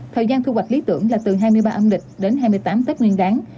thời gian thu hoạch lý tưởng là từ hai mươi ba âm lịch đến hai mươi tám tết nguyên đáng